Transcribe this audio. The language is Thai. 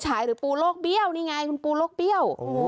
หรือพูรกเบี้ยวนี่ไงคุณพูรกเบี้ยว